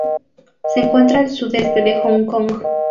Se encuentra al sudeste de Hong Kong.